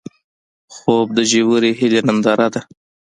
خوب د ژورې هیلې ننداره ده